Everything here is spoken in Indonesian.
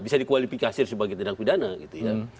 bisa dikualifikasi sebagai tindak pidana gitu ya